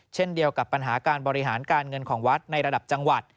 เช่นเดียวกับปัญหาการบริหารการเงินของวัดในระดับจังหวัด